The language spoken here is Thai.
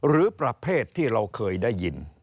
หรือประเภทที่เราเคยได้ยิน